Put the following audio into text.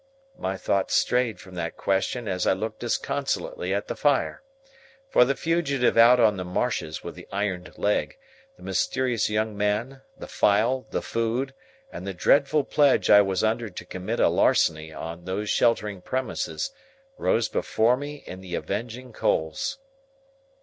My thoughts strayed from that question as I looked disconsolately at the fire. For the fugitive out on the marshes with the ironed leg, the mysterious young man, the file, the food, and the dreadful pledge I was under to commit a larceny on those sheltering premises, rose before me in the avenging coals.